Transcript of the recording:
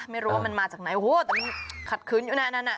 ไม่รู้ว่ามันมาจากไหนโอ้โหแต่มันขัดขืนอยู่หน้านั้นอ่ะ